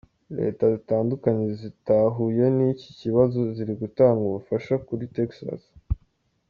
Leta zitandukanye zitahuye n’iki kibazo, ziri gutanga ubufasha kuri Texas.